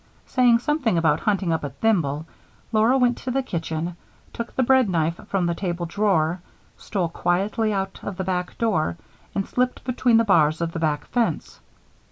Saying something about hunting for a thimble, Laura went to the kitchen, took the bread knife from the table drawer, stole quietly out of the back door, and slipped between the bars of the back fence.